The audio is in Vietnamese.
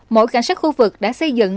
mỗi cảnh sát khu vực đã xây dựng